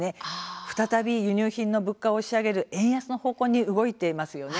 再び輸入品の物価を押し上げる円安の方向に動いています。